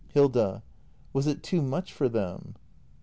Hilda. Was it too much for them?